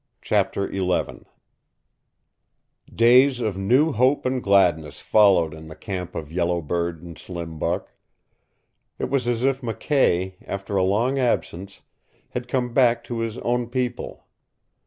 CHAPTER XI Days of new hope and gladness followed in the camp of Yellow Bird and Slim Buck. It was as if McKay, after a long absence, had come back to his own people.